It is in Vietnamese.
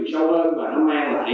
nó có trường sâu hơn và nó mang lại